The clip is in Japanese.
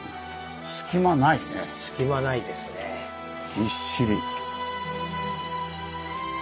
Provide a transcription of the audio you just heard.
ぎっしり。